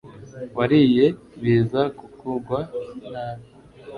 wariye biza kukugwa nabi